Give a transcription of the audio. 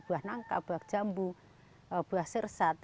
buah nangka buah jambu buah sirsat